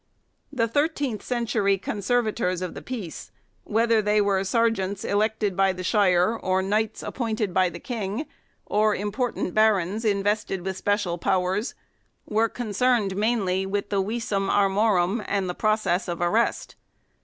The thirteenth century con servators of the peace, whether they were Serjeants elected by the shire, or knights appointed by the King, 1 or important barons invested with special powers, were concerned mainly with the "visum armorum " and the process of arrest.